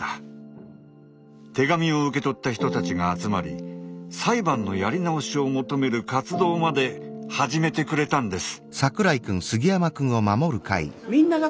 手紙を受け取った人たちが集まり裁判のやり直しを求める活動まで始めてくれたんです。